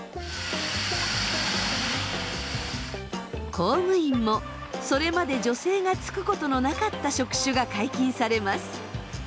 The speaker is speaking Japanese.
公務員もそれまで女性が就くことのなかった職種が解禁されます。